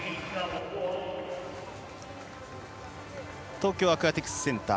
東京アクアティクスセンター。